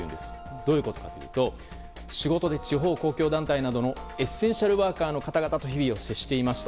どういうことかというと仕事で地方公共団体などのエッセンシャルワーカーの方々と日々接していますと。